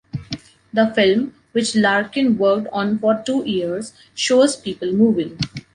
The film, which Larkin worked on for two years, shows people moving.